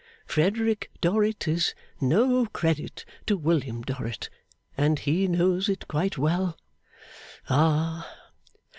Frederick Dorrit is no credit to William Dorrit, and he knows it quite well. Ah!